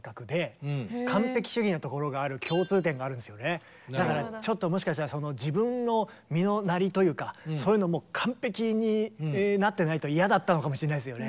もう言ってみりゃだからちょっともしかしたら自分の身のなりというかそういうのも完璧になってないと嫌だったのかもしれないですよね。